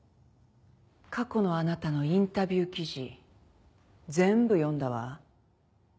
過去のあなたのインタビュー記事全部読んだわ。